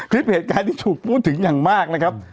คลิปเหตุการณ์ที่ถูกพูดถึงอย่างมากนะครับ